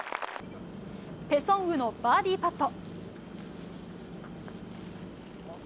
ペ・ソンウのバーディーパット。